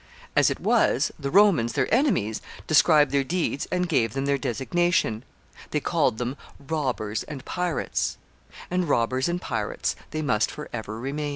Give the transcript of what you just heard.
As it was, the Romans, their enemies, described their deeds and gave them their designation. They called them robbers and pirates; and robbers and pirates they must forever remain.